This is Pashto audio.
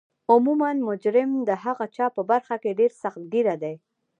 عموما مجرم د هغه چا په برخه کې ډیر سخت ګیره دی